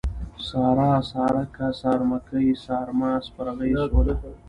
سارا ، سارکه ، سارمکۍ ، سارمه ، سپرغۍ ، سوله